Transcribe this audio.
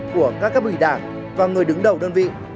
của các cấp ủy đảng và người đứng đầu đơn vị